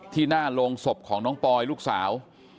ที่หน้าโรงศพของน้องปอยลูกสาว